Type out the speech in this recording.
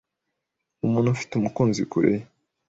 Umuntu ufite umukunzi kure ye